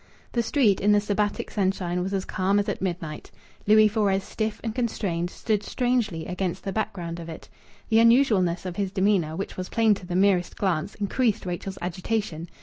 The street, in the Sabbatic sunshine, was as calm as at midnight. Louis Fores, stiff and constrained, stood strangely against the background of it. The unusualness of his demeanour, which was plain to the merest glance, increased Rachel's agitation.